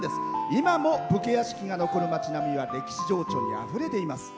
今も武家屋敷が残る町並みは歴史情緒にあふれています。